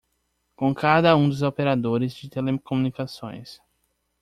com cada um dos operadores de telecomunicações.